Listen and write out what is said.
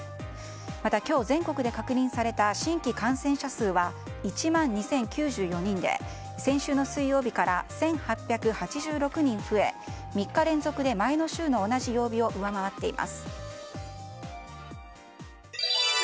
また今日全国で確認された新規感染者数は１万２０９４人で先週の水曜日から１８８６人増え３日連続で前の週の同じ曜日を上回っています。